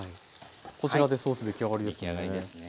こちらでソース出来上がりですね。